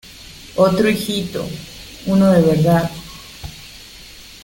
otro hijito. uno de verdad .